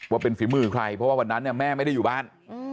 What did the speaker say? ว่าเป็นฝีมือใครเพราะว่าวันนั้นแม่ไม่ได้อยู่บ้าน